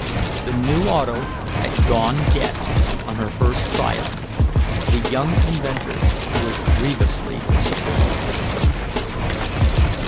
The new auto had "gone dead" on her first tryout. The young inventor was grievously disappointed.